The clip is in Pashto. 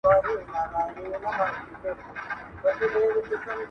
په یوه آواز راووتل له ښاره٫